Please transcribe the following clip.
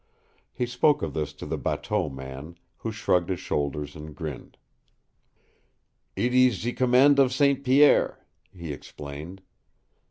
He spoke of this to the bateau man, who shrugged his shoulders and grinned. "Eet ees ze command of St. Pierre," he explained.